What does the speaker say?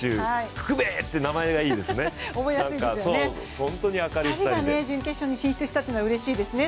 福部って名前がいいですね。